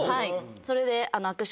それで。